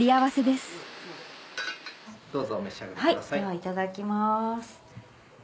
ではいただきます。